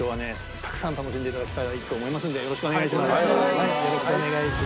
たくさん楽しんでいただきたいと思いますのでよろしくお願いします。